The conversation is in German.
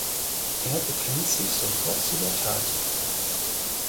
Er bekennt sich sofort zu der Tat.